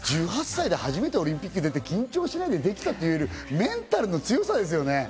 １８歳で初めてオリンピックに出て緊張しないでできたというメンタルの強さですね。